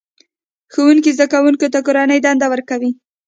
ښوونکی زده کوونکو ته کورنۍ دنده ورکوي